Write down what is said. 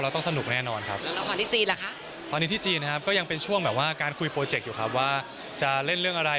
ต้องการคุยโปรเจกต์อยู่ครับว่าจะเล่นเรื่องอะไร